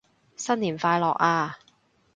新年快樂啊